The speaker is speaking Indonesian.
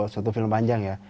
satu film panjang ya